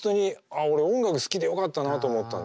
俺音楽好きでよかったなと思ったんですよ。